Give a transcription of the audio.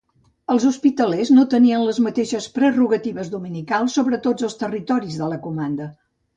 Els hospitalers no tenien les mateixes prerrogatives dominicals sobre tots els territoris de la comanda.